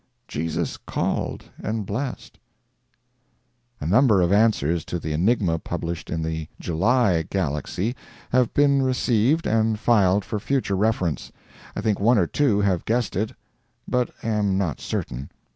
Jesus called and blest. A number of answers to the enigma published in the July GALAXY have been received and filed for future reference. I think one or two have guessed it, but am not certain.